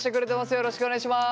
よろしくお願いします。